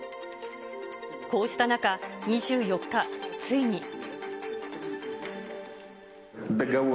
こうした中、２４日、ついに。